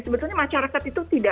sebetulnya masyarakat itu tidak